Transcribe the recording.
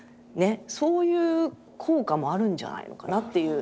そういう効果もあるんじゃないのかなっていう。